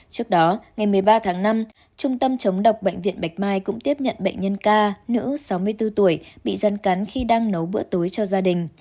trước đó ngày một mươi ba tháng năm trung tâm chống độc bệnh viện bạch mai cũng tiếp nhận bệnh nhân ca nữ sáu mươi bốn tuổi bị rắn cắn khi đang nấu bữa tối cho gia đình